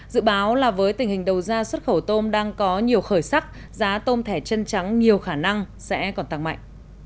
dự báo là với tình hình đầu ra xuất khẩu tôm đang có nhiều khởi sắc giá tôm thẻ chân trắng nhiều khả năng sẽ còn tăng mạnh